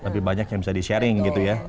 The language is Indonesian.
tapi banyak yang bisa di sharing gitu ya